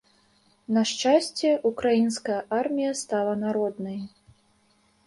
На шчасце, украінская армія стала народнай.